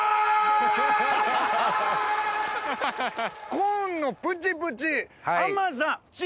コーンのプチプチ